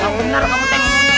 kamu benar kamu tak ingin ngomongin